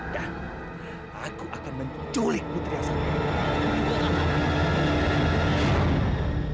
dan aku akan menculik putri asal